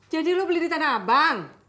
jadi lu beli di tanabang